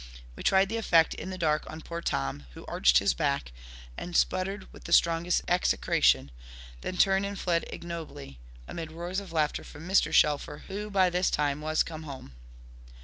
We tried the effect in the dark on poor Tom, who arched his back, and sputtered with the strongest execration, then turned and fled ignobly, amid roars of laughter from Mr. Shelfer, who by this time was come home.